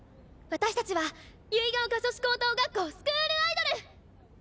私たちは結ヶ丘女子高等学校スクールアイドル！